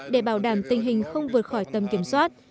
để bảo đảm tình hình không vượt khỏi tầm kiểm soát